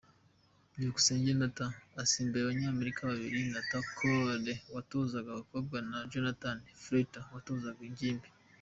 Byukusenge Nathan asimbuye Abanyamerika babiri Tarah Cole watozaga abakobwa na Jonathan Freter watozaga ingimbi.